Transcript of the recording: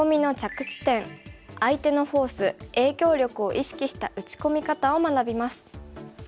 相手のフォース影響力を意識した打ち込み方を学びます。